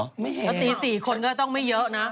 ไม่เห็นแล้วตี๔๕๑คนก็ต้องไม่เยอะนะ